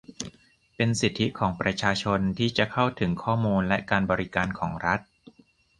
เป็นสิทธิของประชาชนที่จะเข้าถึงข้อมูลและการบริการของรัฐ